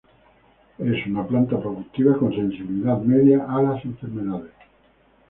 Es una planta productiva, con sensibilidad media a las enfermedades.